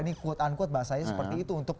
ini quote unquote bahasanya seperti itu untuk